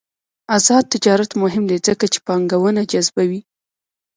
آزاد تجارت مهم دی ځکه چې پانګونه جذبوي.